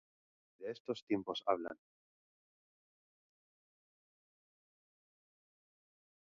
Ni de estos tiempos hablan;